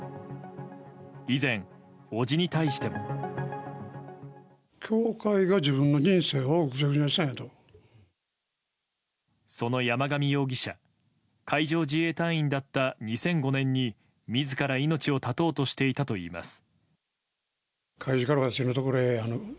以前、伯父に対しても。その山上容疑者海上自衛隊員だった２００５年に自ら命を絶とうとしていたといいます。